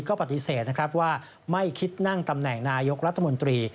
ก็ปฏิเสธนะครับว่าไม่คิดนั่งตำแหน่งนายกรัฐมนตรี